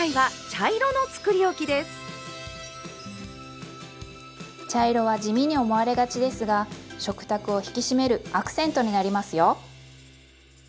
茶色は地味に思われがちですが食卓を引き締めるアクセントになりますよ。